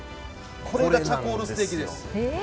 これがチャコールステーキです。